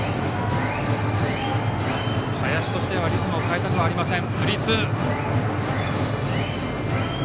林としてはリズムを変えたくはありません。